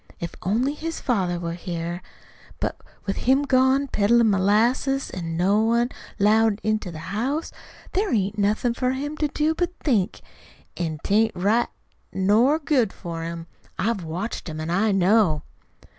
If only his father was here. But with him gone peddlin' molasses, an' no one 'lowed into the house, there ain't anything for him to do but to think. An' 'tain't right nor good for him. I've watched him an' I know."